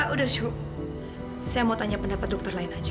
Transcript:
udah shu saya mau tanya pendapat dokter lain aja